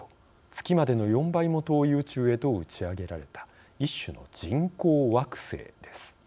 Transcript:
月までの４倍も遠い宇宙へと打ち上げられた一種の人工惑星です。